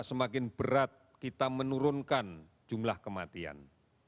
semakin berat kita menurunkan jumlah kematian